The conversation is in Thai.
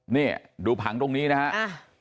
นี่ดูผังตรงนี้นะครับ